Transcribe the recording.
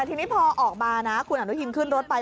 ทีนี้พอออกมานะคุณอนุทินขึ้นรถไป